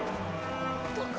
どこ！？